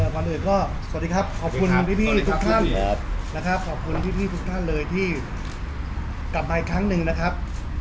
วันอื่นก็สวัสดีครับขอบคุณพี่ทุกท่านนะครับขอบคุณพี่ทุกท่านเลยที่กลับมาอีกครั้งหนึ่งนะครับ